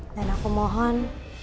dan aku mohon